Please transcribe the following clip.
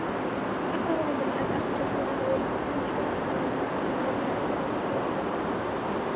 أكره عندما أتأخر في العمل و يفوتني حلقة من المسلسل الذي أتابعه بسبب ذلك.